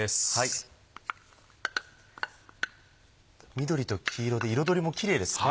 緑と黄色で彩りもキレイですね。